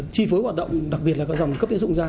chi phối hoạt động đặc biệt là các dòng cấp tiến dụng ra